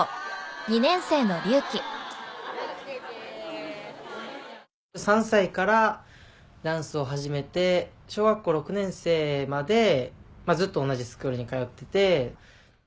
２年生のリュウキ３歳からダンスを始めて小学校６年生までずっと同じスクールに通ってて。